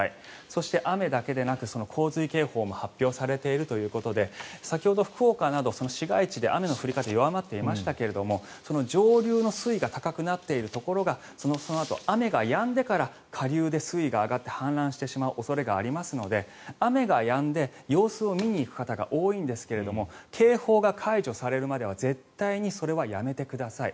そして雨だけでなく洪水警報も発表されているということで先ほど福岡など市街地で雨の降り方が弱まっていましたが上流の水位が高くなっているところがそのあと雨がやんでから下流で水位が上がって氾濫してしまう恐れがありますので雨がやんで、様子を見に行く方が多いんですけれども警報が解除されるまでは絶対にそれはやめてください。